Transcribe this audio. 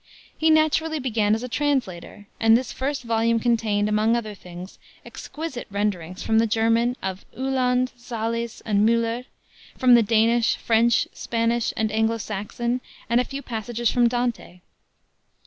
He naturally began as a translator, and this first volume contained, among other things, exquisite renderings from the German of Uhland, Salis, and Müller, from the Danish, French, Spanish and Anglo Saxon, and a few passages from Dante.